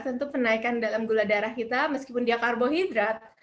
tentu penaikan dalam gula darah kita meskipun dia karbohidrat